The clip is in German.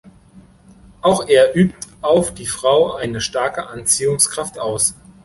Auch er übt auf die Frau eine starke Anziehungskraft aus.